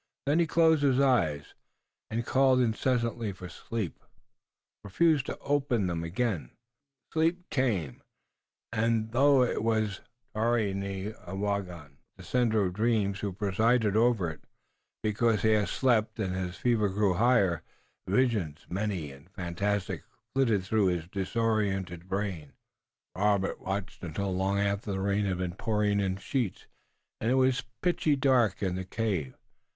Then he closed his eyes, and calling incessantly for sleep, refused to open them again. Sleep came by and by, though it was Tarenyawagon, the sender of dreams, who presided over it, because as he slept, and his fever grew higher, visions, many and fantastic, flitted through his disordered brain. Robert watched until long after the rain had been pouring in sheets, and it was pitchy dark in the cave.